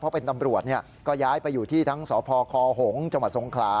เพราะเป็นตำรวจก็ย้ายไปอยู่ที่ทั้งสพคหงจศ